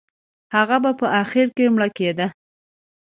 هغه به په اخر کې مړ کېده.